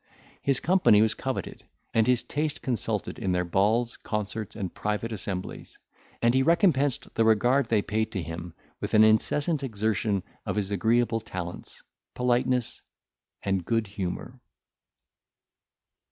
His company was coveted, and his taste consulted in their balls, concerts, and private assemblies; and he recompensed the regard they paid to him with an incessant exertion of his agreeable talents, politeness, and good humour.